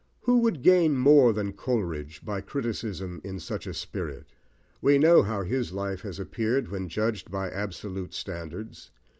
Who would gain more than Coleridge by criticism in such a spirit? We know how his life has appeared when judged by absolute standards.